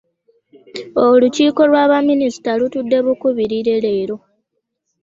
Olukiiko lwa baminisita lutudde bukubirire leero.